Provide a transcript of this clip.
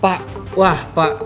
pak wah pak